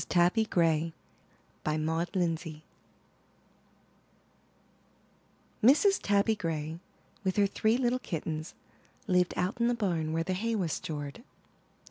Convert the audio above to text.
TABBY GRAY^ Maud Lindsay Mrs. Tabby Gray, with her three little kittens, lived out in the barn where the hay was stored.